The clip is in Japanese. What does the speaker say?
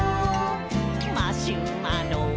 「マシュマロ？」